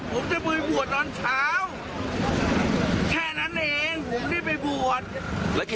ผมจะไปบวชตอนเช้าแค่นั้นเองผมไม่ได้ไปบวช